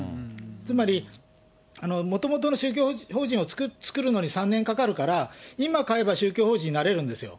つまり、もともとの宗教法人を作るのに３年かかるから、今変えれば、宗教法人になれるんですよ。